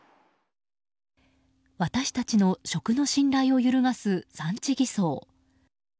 私たちの食の信頼を揺るがす産地偽装。